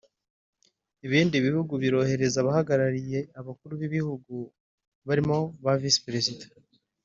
Ibindi bihugu birohereza abahagarariye abakuru b’ibihugu barimo baVisi Perezida